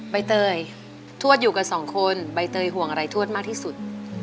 ใบเตยทวดอยู่กันสองคนใบเตยห่วงอะไรทวดมากที่สุด